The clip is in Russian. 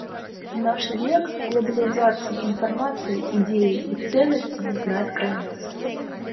В наш век глобализации информация, идеи и ценности не знают границ.